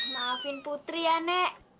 maafin putri ya nek